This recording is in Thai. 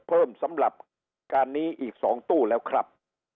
เพิ่มสำหรับการนี้อีก๒ตู้แล้วครับ